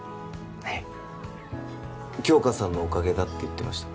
はい杏花さんのおかげだって言ってました